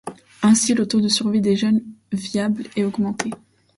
Ainsi, le taux de survie des jeunes viables est augmenté.